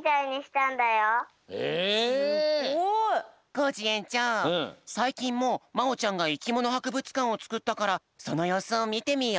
コージえんちょうさいきんもまおちゃんがいきものはくぶつかんをつくったからそのようすをみてみよう。